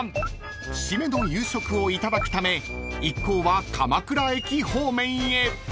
［締めの夕食をいただくため一行は鎌倉駅方面へ］